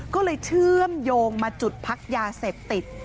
ก็เลยเชื่อมโยงมาจุดพักยาเสพติด